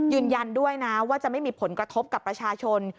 ยืนยันด้วยนะว่าจะไม่มีผลกระทบกับประชาชน